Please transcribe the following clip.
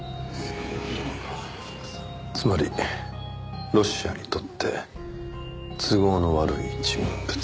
つまりロシアにとって都合の悪い人物。